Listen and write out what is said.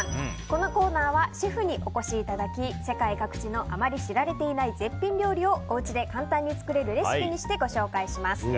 このコーナーはシェフにお越しいただき世界各地のあまり知られていない絶品料理をおうちで簡単に作れるレシピにしてご紹介します。